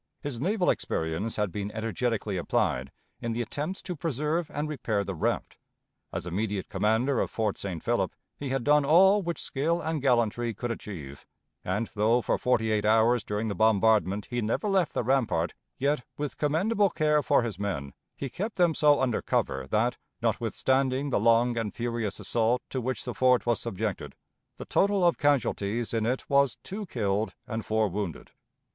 His naval experience had been energetically applied in the attempts to preserve and repair the raft. As immediate commander of Fort St. Philip he had done all which skill and gallantry could achieve, and, though for forty eight hours during the bombardment he never left the rampart, yet, with commendable care for his men, he kept them so under cover that, notwithstanding the long and furious assault to which the fort was subjected, the total of casualties in it was two killed and four wounded.